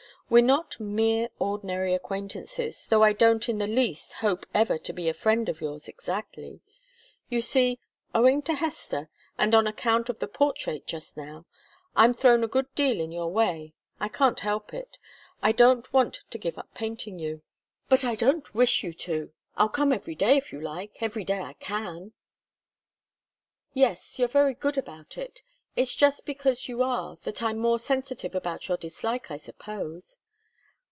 We're not mere ordinary acquaintances, though I don't in the least hope ever to be a friend of yours, exactly. You see owing to Hester and on account of the portrait, just now I'm thrown a good deal in your way. I can't help it. I don't want to give up painting you " "But I don't wish you to! I'll come every day, if you like every day I can." "Yes; you're very good about it. It's just because you are, that I'm more sensitive about your dislike, I suppose."